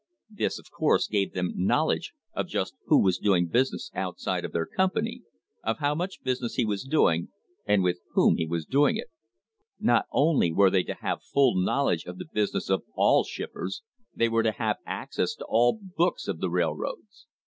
This, of course, I gave them knowledge of just who was doing business outside of their company — of how much business he was doing, and with whom he was doing it. Not only were they to have full THE HISTORY OF THE STANDARD OIL COMPANY knowledge of the business of all shippers — they were to have access to all books of the railroads.